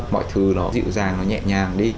mọi thứ nó dịu dàng nó nhẹ nhàng đi